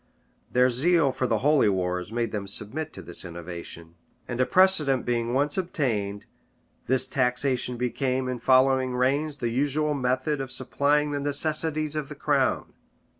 Their zeal for the holy wars made them submit to this innovation; and a precedent being once obtained, this taxation became, in following reigns, the usual method of supplying the necessities of the crown.